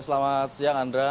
selamat siang andra